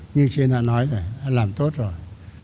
như trên đã nói rồi đã làm tốt rồi